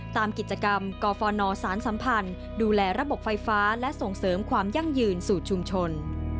ตามกิจกรรมกฟนสารสัมพันธ์ดูแลระบบไฟฟ้าและส่งเสริมความยั่งยืนสู่ชุมชน